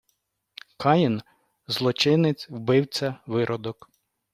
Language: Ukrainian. Каїн — злочинець, вбивця, виродок